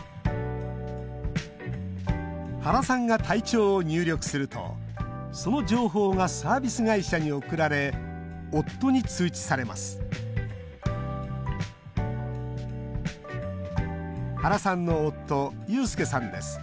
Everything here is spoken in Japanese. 原さんが体調を入力するとその情報がサービス会社に送られ夫に通知されます原さんの夫佑輔さんです。